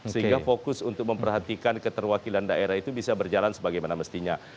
sehingga fokus untuk memperhatikan keterwakilan daerah itu bisa berjalan sebagaimana mestinya